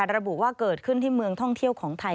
ระบุว่าเกิดขึ้นที่เมืองท่องเที่ยวของไทย